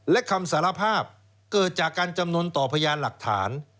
และคำสารภาพเกิดจากการจำนวนต่อพยานหลักฐาน